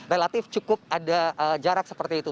relatif cukup ada jarak seperti itu